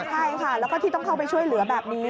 ใช่ค่ะแล้วก็ที่ต้องเข้าไปช่วยเหลือแบบนี้